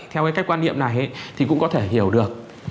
theo cái cách quan điểm này thì cũng có thể hiểu được